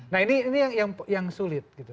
nah ini yang sulit gitu